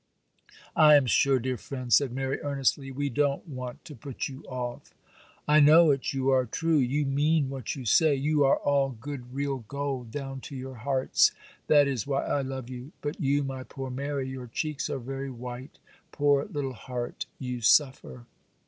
'I am sure, dear friend,' said Mary, earnestly, 'we don't want to put you off.' 'I know it; you are true, you mean what you say; you are all good real gold, down to your hearts; that is why I love you; but you, my poor Mary, your cheeks are very white; poor little heart, you suffer.